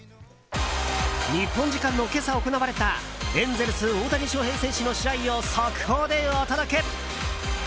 日本時間の今朝行われたエンゼルス、大谷翔平選手の試合を速報でお届け。